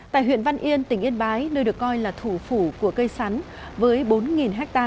tại huyện văn yên tỉnh yên bái nơi được coi là thủ phủ của cây sắn với bốn ha